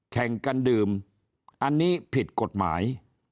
แข่งกันดื่มอันนี้ผิดกฎหมาย